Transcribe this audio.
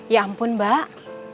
ya ampun mbak